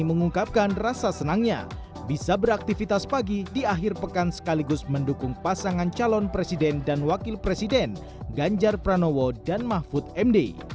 mengungkapkan rasa senangnya bisa beraktivitas pagi di akhir pekan sekaligus mendukung pasangan calon presiden dan wakil presiden ganjar pranowo dan mahfud md